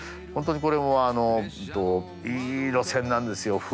本当にこれもいい路線なんですよ